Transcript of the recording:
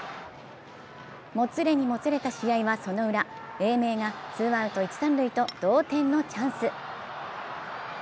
もつれにもつれた試合はそのウラ、英明がツーアウト一・三塁と同点のチャンス。